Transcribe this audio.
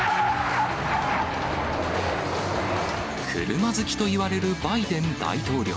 車好きといわれるバイデン大統領。